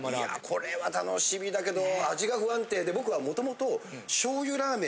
これは楽しみだけど味が不安定で僕はもともと。